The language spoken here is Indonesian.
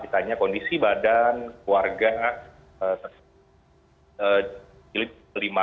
ditanya kondisi badan keluarga jilid kelima